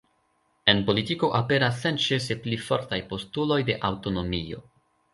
En politiko aperas senĉese pli fortaj postuloj de aŭtonomio.